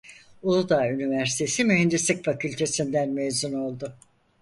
Uludağ Üniversitesi Mühendislik Fakültesinden mezun oldu.